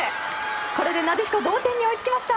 これで、なでしこ同点に追いつきました。